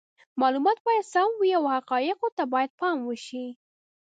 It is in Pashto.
معلومات باید سم وي او حقایقو ته باید پام وشي.